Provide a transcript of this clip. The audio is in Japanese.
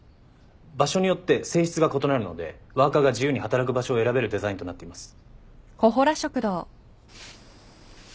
場所によって性質が異なるのでワーカーが自由に働く場所を選べるデザインとなっています。